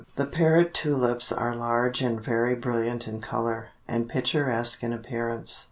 The Parrot Tulips are large and very brilliant in color, and picturesque in appearance.